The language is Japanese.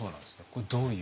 これどういう？